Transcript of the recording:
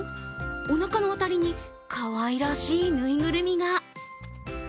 おなかの辺りにかわいらしい縫いぐるみが。